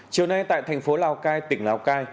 chiều nay tại thành phố lào cai tỉnh lào cai